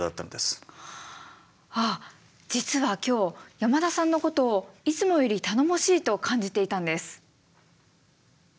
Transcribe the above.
あっ実は今日山田さんのことをいつもより頼もしいと感じていたんです。